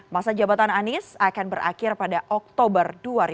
masa jabatan anies akan berakhir pada oktober dua ribu dua puluh